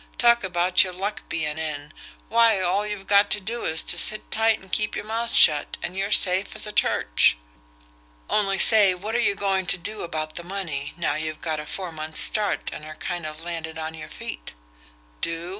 Talk about your luck being in, why all you've got to do is to sit tight and keep your mouth shut, and you're safe as a church. Only say, what are you going to do about the money, now you've got a four months' start and are kind of landed on your feet? "Do?"